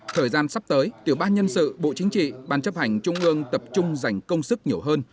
thời gian sắp tới tiểu ban nhân sự bộ chính trị ban chấp hành trung ương tập trung dành công sức nhiều hơn